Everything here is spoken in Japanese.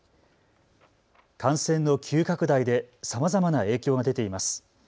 感染の急拡大でさまざまな影響が出ています。